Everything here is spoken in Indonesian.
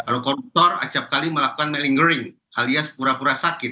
kalau koruptor setiap kali melakukan malingering alias pura pura sakit